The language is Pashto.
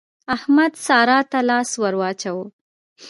احمد سارا ته لاس ور واچاوو.